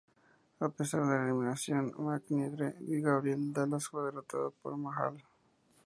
A pesar de la eliminación de McIntyre y Gabriel, Dallas fue derrotado por Mahal.